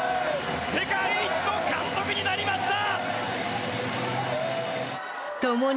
世界一の監督になりました！